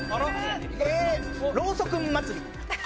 ろうそくん祭り。